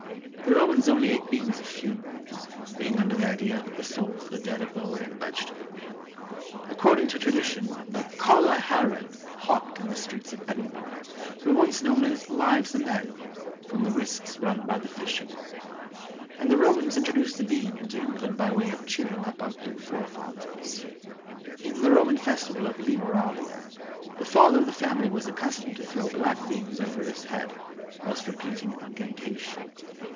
The Romans only ate beans at funerals, being under the idea that the souls of the dead abode in the vegetable. According to tradition, the "caller herrin'" hawked in the streets of Edinburgh were once known as "lives o' men," from the risks run by the fishermen. And the Romans introduced the bean into England by way of cheering up our blue forefathers. In the Roman festival of Lemuralia, the father of the family was accustomed to throw black beans over his head, whilst repeating an incantation.